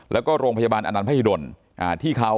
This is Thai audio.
แล้วก็โรงพยาบาลอนันพหิดลที่เขา